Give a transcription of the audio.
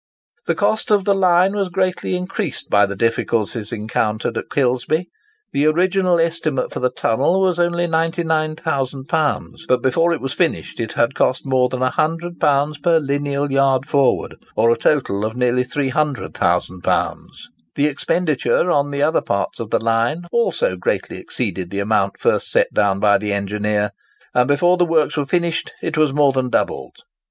The cost of the line was greatly increased by the difficulties encountered at Kilsby. The original estimate for the tunnel was only £99,000; but before it was finished it had cost more than £100 per lineal yard forward, or a total of nearly £300,000. The expenditure on the other parts of the line also greatly exceeded the amount first set down by the engineer; and before the works were finished it was more than doubled.